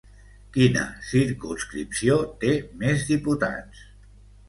Quina circumscripció té més diputats?